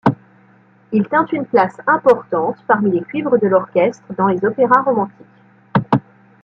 Il tint une place importante parmi les cuivres de l'orchestre dans les opéras romantiques.